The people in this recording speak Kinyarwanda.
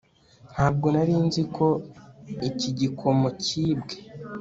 ntabwo nari nzi ko iki gikomo cyibwe